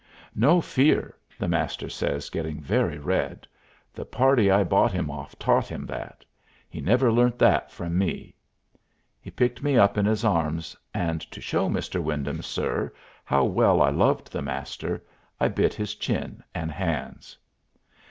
"No fear!" the Master says, getting very red. "The party I bought him off taught him that. He never learnt that from me!" He picked me up in his arms, and to show "Mr. Wyndham, sir," how well I loved the Master, I bit his chin and hands.